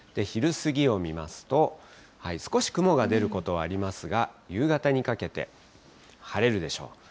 昼過ぎを見ますと、少し雲が出ることはありますが、夕方にかけて晴れるでしょう。